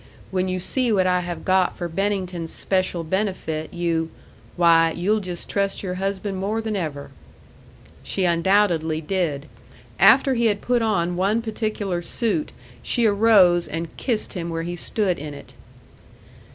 When you see what I have got for Bennington's special benefit, you why, you'll just trust your husband more than ever." She undoubtedly did. After he had put on one particular suit, she arose and kissed him where he stood in it.